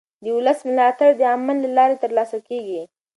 د ولس ملاتړ د عمل له لارې ترلاسه کېږي